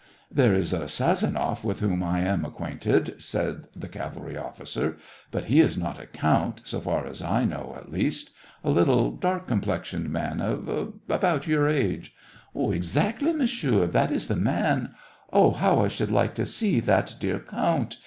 " There is a Sazonoff with whom I am ac quainted," said the cavalry officer, " but he is not a count, so far as I know, at least ; a little dark complexioned man, of about your age." " Exactly, Monsieur, that is the man. Oh, how I should like to see that dear count